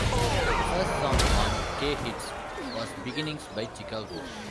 The first song on "K-Hits" was "Beginnings" by Chicago.